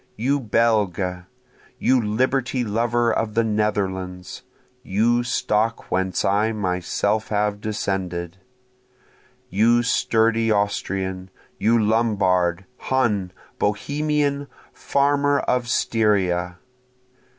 You Belge! you liberty lover of the Netherlands! (you stock whence I myself have descended;) You sturdy Austrian! you Lombard! Hun! Bohemian! farmer of Styria!